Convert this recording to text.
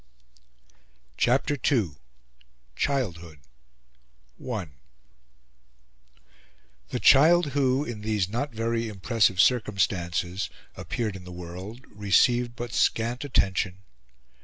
CHAPTER II. CHILDHOOD I The child who, in these not very impressive circumstances, appeared in the world, received but scant attention.